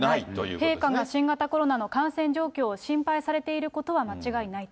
陛下が新型コロナの感染状況を心配されていることは間違いないと。